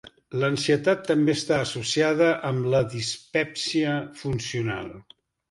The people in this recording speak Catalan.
L'ansietat també està associada amb la dispèpsia funcional.